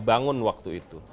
dibangun waktu itu